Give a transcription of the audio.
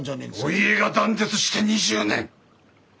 お家が断絶して２０年！